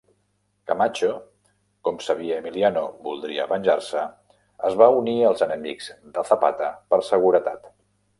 Camacho, com sabia Emiliano voldria venjar-se, es va unir als enemics de Zapata per seguretat.